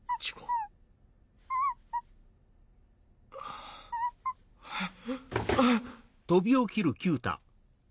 あっ！